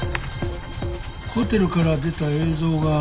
ホテルから出た映像が。